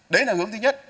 đấy là hướng thứ nhất